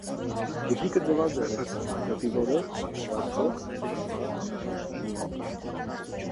Տուփիկը ձվաձև է, դեպի վերև՝ նեղացող, սրացած, դարչնագույն։